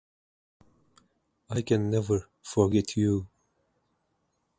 I can never forget you!